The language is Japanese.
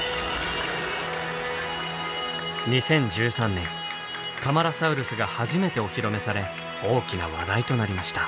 ２０１３年カマラサウルスが初めてお披露目され大きな話題となりました。